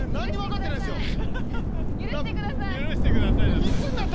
「許してください」だって。